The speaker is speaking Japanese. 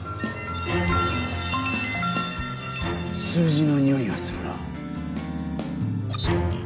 数字のにおいがするなぁ。